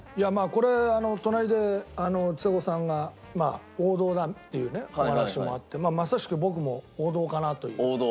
これ隣でちさ子さんが王道だっていうねお話もあってまさしく僕も王道かなという感じはするんですよ。